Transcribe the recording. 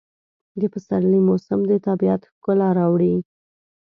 د پسرلي موسم د طبیعت ښکلا راوړي.